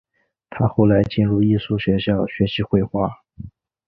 他后来进入艺术学校学习绘画。